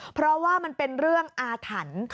เพราะว่ามันเป็นเรื่องอาถรรพ์